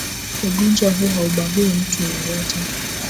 Ugonjwa huu haumbagui mtu yeyote